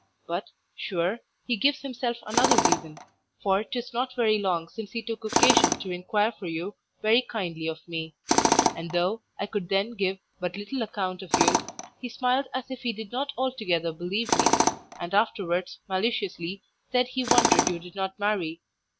But, sure, he gives himself another reason, for 'tis not very long since he took occasion to inquire for you very kindly of me; and though I could then give but little account of you, he smiled as if he did not altogether believe me, and afterwards maliciously said he wondered you did not marry.